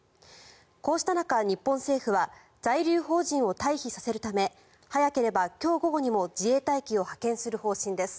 こうした中、日本政府は在留邦人を退避させるため早ければ今日午後にも自衛隊機を派遣する方針です。